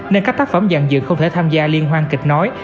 nên các tác phẩm dàn dự không thể tham gia liên hoan kịch nói